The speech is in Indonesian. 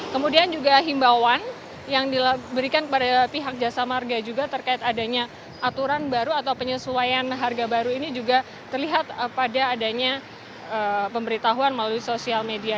kemudian juga himbauan yang diberikan kepada pihak jasa marga juga terkait adanya aturan baru atau penyesuaian harga baru ini juga terlihat pada adanya pemberitahuan melalui sosial media